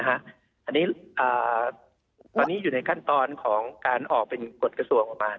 อันนี้ตอนนี้อยู่ในขั้นตอนของการออกเป็นกฎกระทรวงออกมา